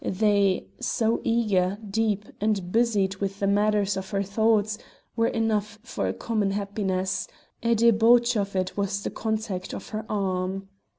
They so eager, deep, or busied with the matters of her thoughts were enough for a common happiness; a debauch of it was in the contact of her arm.